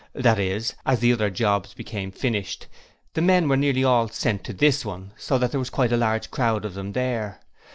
That is, as the other jobs became finished the men were nearly all sent to this one, so that there was quite a large crowd of them there.